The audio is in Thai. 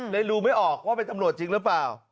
ดูไม่ออกว่าเป็นตำรวจจริงหรือเปล่า